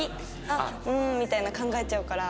「あっうん」みたいに考えちゃうから。